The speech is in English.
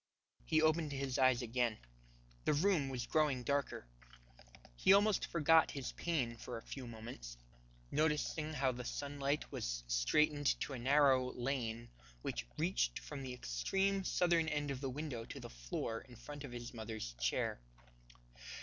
He opened his eyes again. The room was growing darker. He almost forgot his pain for a few moments, noticing how the sunlight was straightened to a narrow lane which reached from the extreme southern end of the window to the floor in front of his mother's chair.